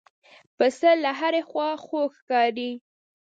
پسه له هرې خوا خوږ ښکاري.